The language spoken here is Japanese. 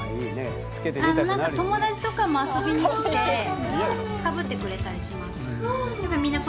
友達とかも遊びに来てかぶってくれたりします。